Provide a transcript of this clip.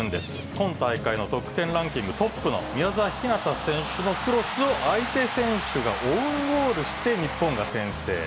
今大会の得点ランキングトップの宮澤ひなた選手のクロスを、相手選手がオウンゴールして、日本が先制。